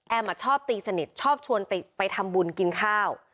ชอบตีสนิทชอบชวนติไปทำบุญกินข้าว